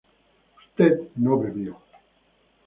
usted no bebió